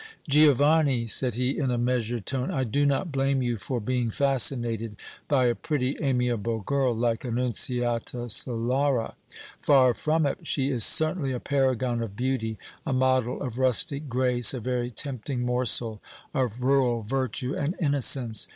"Giovanni," said he, in a measured tone, "I do not blame you for being fascinated by a pretty, amiable girl like Annunziata Solara, far from it. She is certainly a paragon of beauty, a model of rustic grace, a very tempting morsel of rural virtue and innocence.